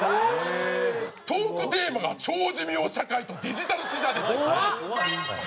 トークテーマが「超長寿命社会とデジタル死者」です。